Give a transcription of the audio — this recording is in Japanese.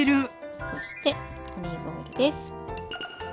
そしてオリーブオイルです。